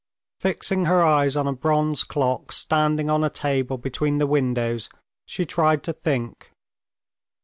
Fixing her eyes on a bronze clock standing on a table between the windows, she tried to think.